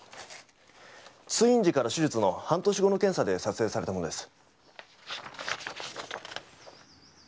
通院時から手術の半年後の検査で撮影されたものです。